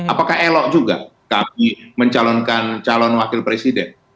apakah elok juga kami mencalonkan calon wakil presiden